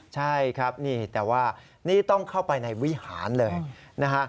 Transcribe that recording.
ใช่ครับนี่แต่ว่านี่ต้องเข้าไปในวิหารเลยนะฮะ